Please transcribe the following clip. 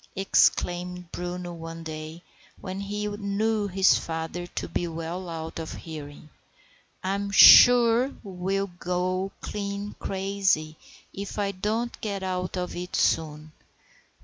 exclaimed Bruno one day, when he knew his father to be well out of hearing. "I'm sure I'll go clean crazy if I don't get out of it soon.